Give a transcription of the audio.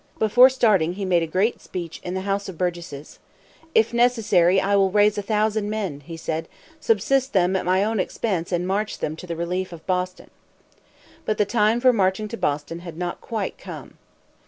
Before starting he made a great speech in the House of Burgesses. "If necessary, I will raise a thousand men," he said, "subsist them at my own expense, and march them to the relief of Boston." But the time for marching to Boston had not quite come.